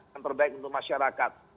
yang terbaik untuk masyarakat